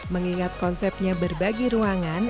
mengingat konsepnya berbagi ruangan